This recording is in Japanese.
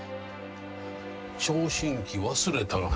聴診器忘れたがな。